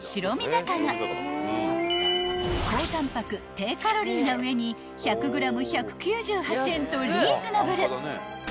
［高タンパク低カロリーな上に１００ｇ１９８円とリーズナブル］